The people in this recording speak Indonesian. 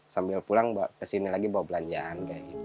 sambil pulang kesini lagi bawa belanjaan